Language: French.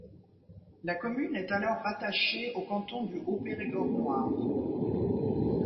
La commune est alors rattachée au canton du Haut-Périgord noir.